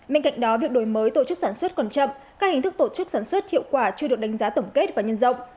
bên cạnh đó việc đổi mới tổ chức sản xuất còn chậm các hình thức tổ chức sản xuất hiệu quả chưa được đánh giá tổng kết và nhân rộng